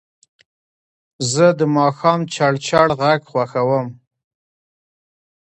زه د ماښام چړچړ غږ خوښوم.